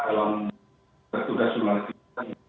kita dalam bertugas sumal kita